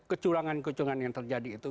kecurangan kecurangan yang terjadi itu